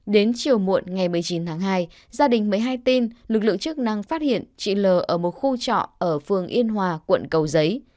đến chiều muộn ngày một mươi chín tháng hai gia đình mới hay tin lực lượng chức năng phát hiện chị l ở một khu trọ ở phường yên hòa quận cầu giấy